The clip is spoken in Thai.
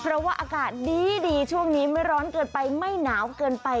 เพราะว่าอากาศดีช่วงนี้ไม่ร้อนเกินไปไม่หนาวเกินไป